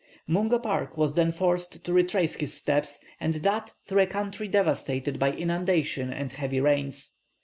Mungo Park was then forced to retrace his steps, and that through a country devastated by inundation and heavy rains.